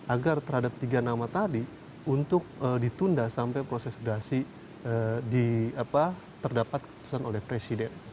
agar terhadap tiga nama tadi untuk ditunda sampai proses gerasi terdapat keputusan oleh presiden